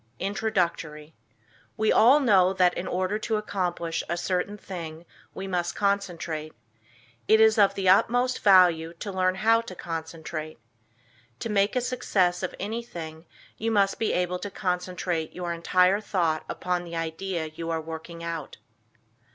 INTRODUCTORY We all know that in order to accomplish a certain thing we must concentrate. It is of the utmost value to learn how to concentrate. To make a success of anything you must be able to concentrate your entire thought upon the idea you are working out.